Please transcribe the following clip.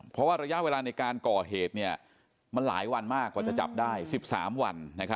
เพราะว่าระยะเวลาในการก่อเหตุมันหลายวันมากกว่าจะจับได้๑๓วัน